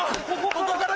ここから？